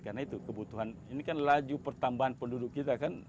karena itu kebutuhan ini kan laju pertambahan penduduk kita kan